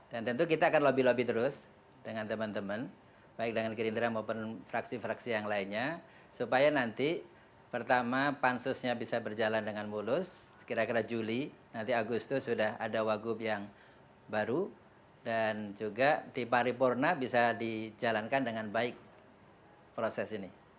dan tentu kita akan lobby lobby terus dengan teman teman baik dengan gerindra maupun fraksi fraksi yang lainnya supaya nanti pertama pansusnya bisa berjalan dengan mulus kira kira juli nanti agustus sudah ada wagub yang baru dan juga di paripurna bisa dijalankan dengan baik proses ini